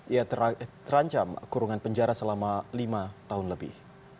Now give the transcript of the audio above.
ia terancam kurungan penjara selama lima tahun lebih